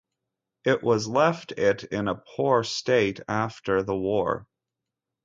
It was left it in a poor state after the war.